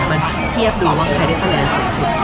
มาเทียบดูว่าใครได้คะแนนสูงสุด